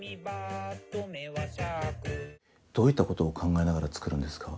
どういったことを考えながら作るんですか？